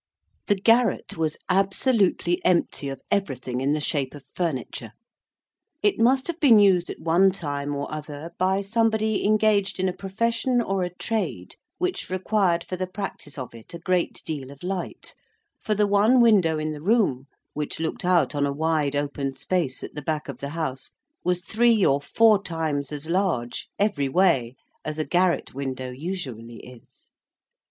The garret was absolutely empty of everything in the shape of furniture. It must have been used at one time or other, by somebody engaged in a profession or a trade which required for the practice of it a great deal of light; for the one window in the room, which looked out on a wide open space at the back of the house, was three or four times as large, every way, as a garret window usually is.